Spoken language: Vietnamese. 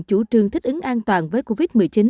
chủ trương thích ứng an toàn với covid một mươi chín